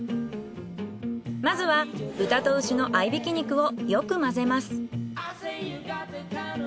まずは豚と牛の合い挽き肉をよく混ぜます。